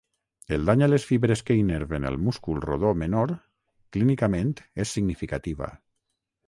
El dany a les fibres que innerven el múscul rodó menor clínicament és significativa.